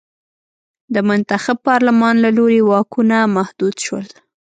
د منتخب پارلمان له لوري واکونه محدود شول.